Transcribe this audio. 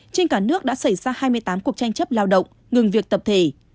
trên cả nước đã xảy ra hai mươi tám cuộc tranh chấp lao động ngừng việc tập thể